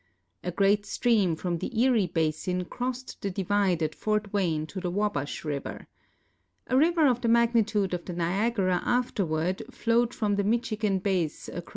A great stream from the Erie basin erost the divide at Fort Wayne to the Wabash river. A river of the mag nitude of the Niagara afterward flowed from the Michigan basin acro.